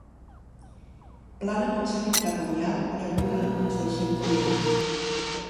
Plana pot ser dictatorial i aguda ens deixem dominar.